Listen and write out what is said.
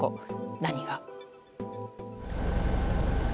何が。